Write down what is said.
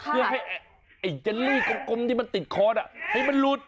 เพื่อให้เย็นลี่กลมที่มันติดคอให้มันลุด